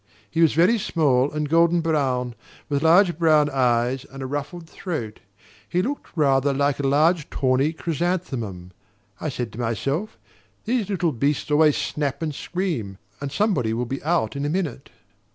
He was very small and golden brown, with large brown eyes and a ruffled throat: he looked rather like a large tawny chrysanthemum. I said to myself: "These little beasts always snap and scream, and somebody will be out in a minute."